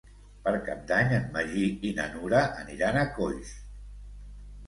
Per Cap d'Any en Magí i na Nura aniran a Coix.